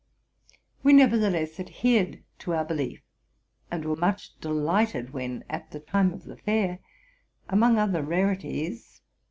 We nevertheless adhered to our belief, and were much de lighted, when at the time of the fair, among other rarities.